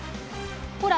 ほら！